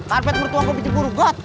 karpet mertua gua pijabur got